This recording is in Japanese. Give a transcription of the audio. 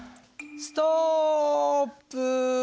ストップ！